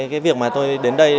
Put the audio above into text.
cái việc mà tôi đến đây